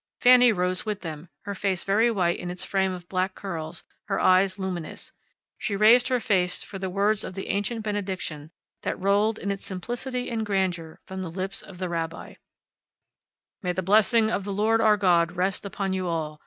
Fanny rose with them, her face very white in its frame of black curls, her eyes luminous. She raised her face for the words of the ancient benediction that rolled, in its simplicity and grandeur, from the lips of the rabbi: "May the blessing of the Lord our God rest upon you all.